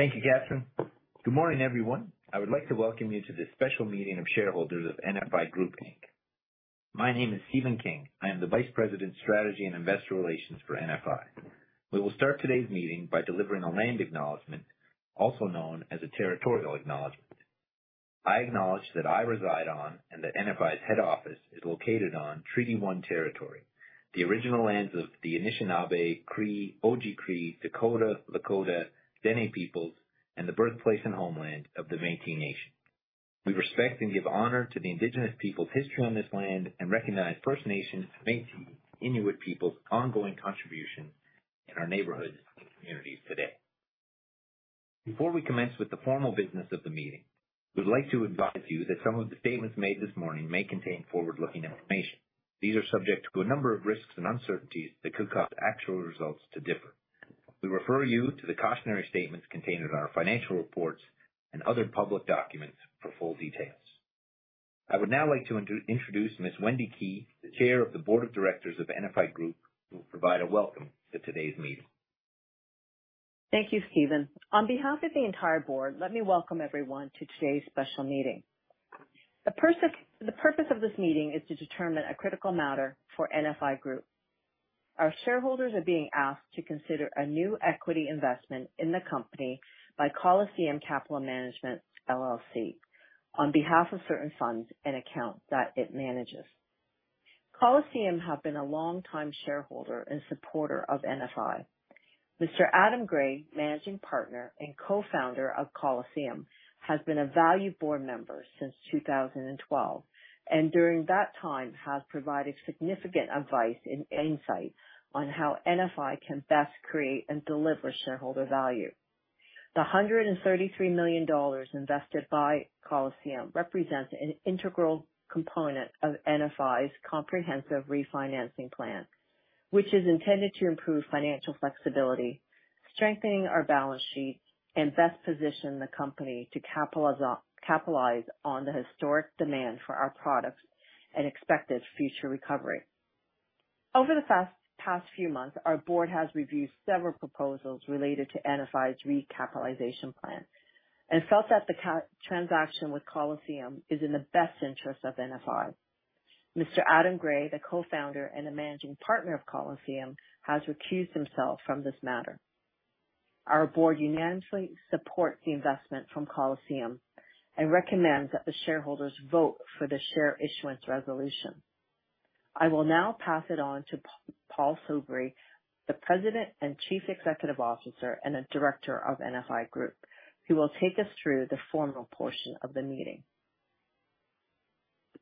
Thank you, Catherine. Good morning, everyone. I would like to welcome you to this special meeting of shareholders of NFI Group Inc. My name is Stephen King. I am the Vice President, Strategy and Investor Relations for NFI. We will start today's meeting by delivering a land acknowledgment, also known as a territorial acknowledgment. I acknowledge that I reside on, and that NFI's head office is located on Treaty One territory, the original lands of the Anishinaabe, Cree, Oji-Cree, Dakota, Lakota, Dene peoples, and the birthplace and homeland of the Métis Nation. We respect and give honor to the Indigenous people's history on this land and recognize First Nations, Métis, Inuit peoples' ongoing contribution in our neighborhoods and communities today. Before we commence with the formal business of the meeting, we'd like to advise you that some of the statements made this morning may contain forward-looking information. These are subject to a number of risks and uncertainties that could cause actual results to differ. We refer you to the cautionary statements contained in our financial reports and other public documents for full details. I would now like to introduce Ms. Wendy Kei, the Chair of the Board of Directors of NFI Group, who will provide a welcome to today's meeting. Thank you, Stephen. On behalf of the entire Board, let me welcome everyone to today's special meeting. The purpose of this meeting is to determine a critical matter for NFI Group. Our shareholders are being asked to consider a new equity investment in the company by Coliseum Capital Management, LLC, on behalf of certain funds and accounts that it manages. Coliseum have been a longtime shareholder and supporter of NFI. Mr. Adam Gray, Managing Partner and Co-Founder of Coliseum, has been a valued Board member since 2012, and during that time, has provided significant advice and insight on how NFI can best create and deliver shareholder value. The $133 million invested by Coliseum represents an integral component of NFI's comprehensive refinancing plan, which is intended to improve financial flexibility, strengthening our balance sheet, and best position the company to capitalize on the historic demand for our products and expected future recovery. Over the past few months, our board has reviewed several proposals related to NFI's recapitalization plan and felt that the transaction with Coliseum is in the best interest of NFI. Mr. Adam Gray, the Co-Founder and the Managing Partner of Coliseum, has recused himself from this matter. Our Board unanimously supports the investment from Coliseum and recommends that the shareholders vote for the Share Issuance Resolution. I will now pass it on to Paul Soubry, the President and Chief Executive Officer and a Director of NFI Group, who will take us through the formal portion of the meeting.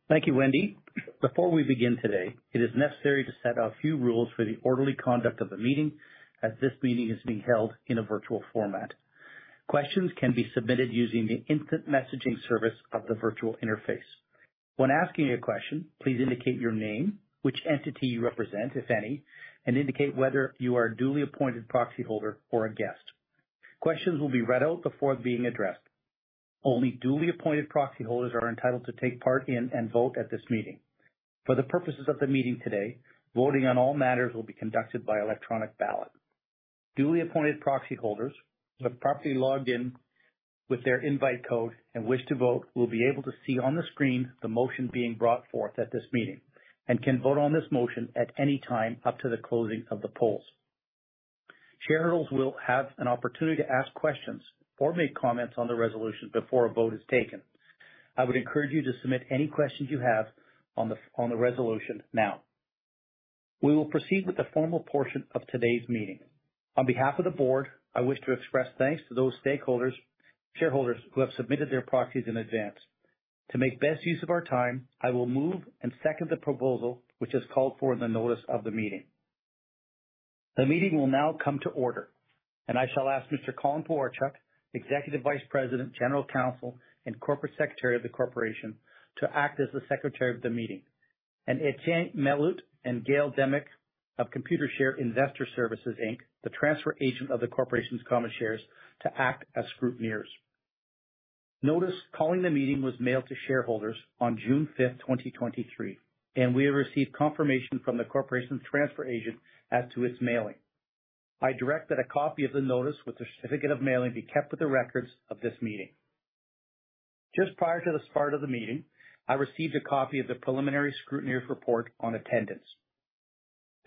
Thank you, Wendy. Before we begin today, it is necessary to set out a few rules for the orderly conduct of the meeting, as this meeting is being held in a virtual format. Questions can be submitted using the instant messaging service of the virtual interface. When asking a question, please indicate your name, which entity you represent, if any, and indicate whether you are a duly appointed proxyholder or a guest. Questions will be read out before being addressed. Only duly appointed proxyholders are entitled to take part in and vote at this meeting. For the purposes of the meeting today, voting on all matters will be conducted by electronic ballot. Duly appointed proxyholders who have properly logged in with their invite code and wish to vote, will be able to see on the screen the motion being brought forth at this meeting and can vote on this motion at any time up to the closing of the polls. Shareholders will have an opportunity to ask questions or make comments on the resolution before a vote is taken. I would encourage you to submit any questions you have on the resolution now. We will proceed with the formal portion of today's meeting. On behalf of the board, I wish to express thanks to those stakeholders, shareholders who have submitted their proxies in advance. To make best use of our time, I will move and second the proposal, which is called for in the notice of the meeting. The meeting will now come to order, and I shall ask Mr. Colin Pewarchuk, Executive Vice President, General Counsel, and Corporate Secretary of the Corporation, to act as the Secretary of the meeting, and Etienne Melotte and Gail Demick of Computershare Investor Services Inc., the transfer agent of the corporation's common shares, to act as Scrutineers. Notice calling the meeting was mailed to shareholders on June 5th, 2023, we have received confirmation from the corporation's transfer agent as to its mailing. I direct that a copy of the notice with the certificate of mailing be kept with the records of this meeting. Just prior to the start of the meeting, I received a copy of the preliminary scrutineers' report on attendance.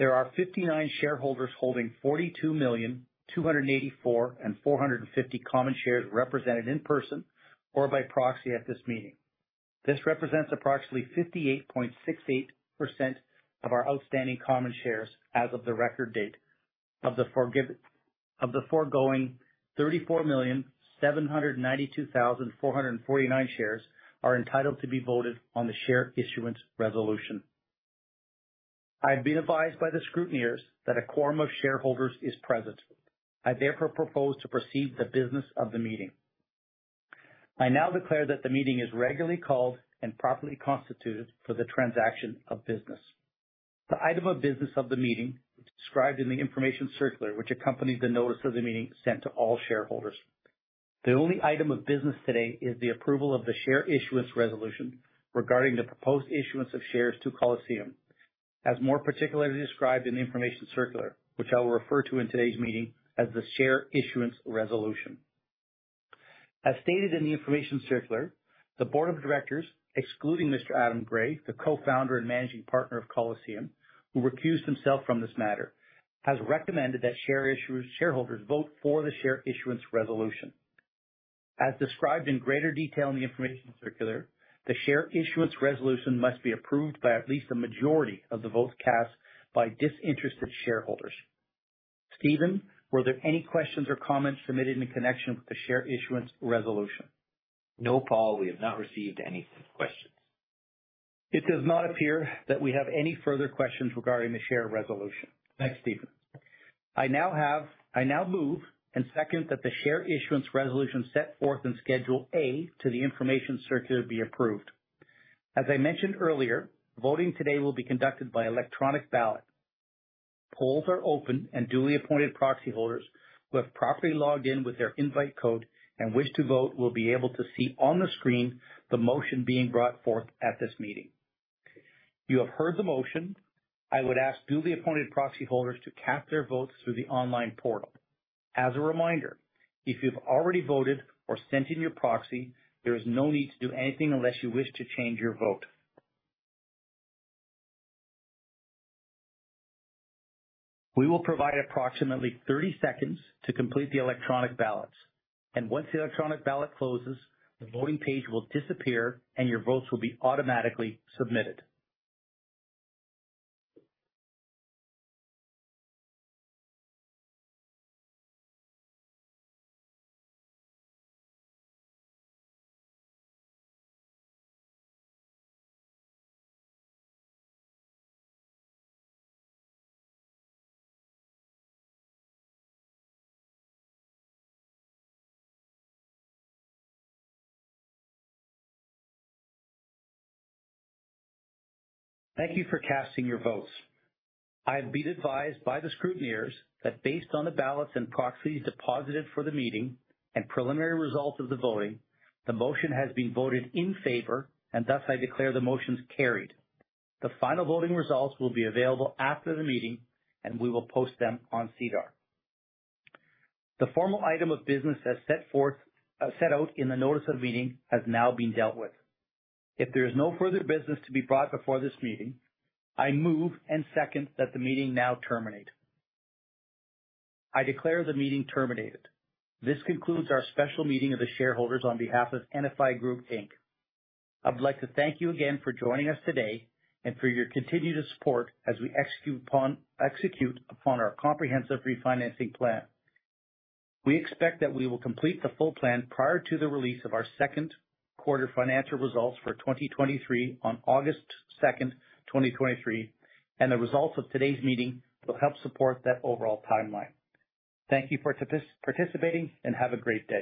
There are 59 shareholders holding 42,284,450 common shares represented in person or by proxy at this meeting. This represents approximately 58.68% of our outstanding common shares as of the record date. Of the foregoing, 34,792,449 shares are entitled to be voted on the Share Issuance Resolution. I've been advised by the scrutineers that a quorum of shareholders is present. I therefore propose to proceed with the business of the meeting. I now declare that the meeting is regularly called and properly constituted for the transaction of business. The item of business of the meeting is described in the information circular, which accompanies the notice of the meeting sent to all shareholders. The only item of business today is the approval of the Share Issuance Resolution regarding the proposed issuance of shares to Coliseum. More particularly described in the information circular, which I will refer to in today's meeting as the Share Issuance Resolution. Stated in the information circular, the board of directors, excluding Mr. Adam Gray, the Co-Founder and Managing Partner of Coliseum, who recused himself from this matter, has recommended that shareholders vote for the Share Issuance Resolution. Described in greater detail in the information circular, the Share Issuance Resolution must be approved by at least a majority of the votes cast by disinterested shareholders. Stephen, were there any questions or comments submitted in connection with the Share Issuance Resolution? Paul, we have not received any questions. It does not appear that we have any further questions regarding the Share Resolution. Stephen. I now move and second, that the Share Issuance Resolution set forth in Schedule A to the information circular be approved. I mentioned earlier, voting today will be conducted by electronic ballot. Polls are open, and duly appointed proxy holders who have properly logged in with their invite code and wish to vote, will be able to see on the screen the motion being brought forth at this meeting. You have heard the motion. I would ask duly appointed proxy holders to cast their votes through the online portal. A reminder, if you've already voted or sent in your proxy, there is no need to do anything unless you wish to change your vote. We will provide approximately 30 seconds to complete the electronic ballots, and once the electronic ballot closes, the voting page will disappear and your votes will be automatically submitted. Thank you for casting your votes. I have been advised by the scrutineers that based on the ballots and proxies deposited for the meeting and preliminary results of the voting, the motion has been voted in favor. Thus I declare the motions carried. The final voting results will be available after the meeting. We will post them on SEDAR. The formal item of business as set forth, set out in the notice of meeting has now been dealt with. If there is no further business to be brought before this meeting, I move and second, that the meeting now terminate. I declare the meeting terminated. This concludes our special meeting of the shareholders on behalf of NFI Group Inc. I'd like to thank you again for joining us today and for your continued support as we execute upon our comprehensive refinancing plan. We expect that we will complete the full plan prior to the release of our second quarter financial results for 2023 on August 2nd, 2023, and the results of today's meeting will help support that overall timeline. Thank you for participating, and have a great day.